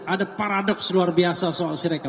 ada paradoks luar biasa soal syreka